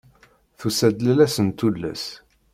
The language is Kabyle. Tusa-d lala-s n tullas.